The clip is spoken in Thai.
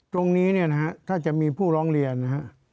ตรงนี้เนี่ยนะฮะถ้าจะมีผู้ร้องเรียนนะฮะ